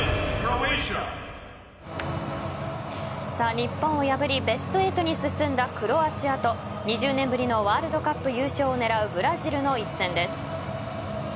日本を破りベスト８に進んだクロアチアと２０年ぶりのワールドカップ優勝を狙うブラジルの一戦です。